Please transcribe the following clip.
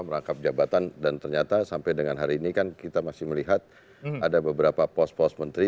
merangkap jabatan dan ternyata sampai dengan hari ini kan kita masih melihat ada beberapa pos pos menteri